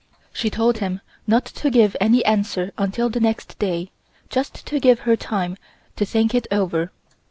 She told him not to give any answer until the next day, just to give her time to think it over.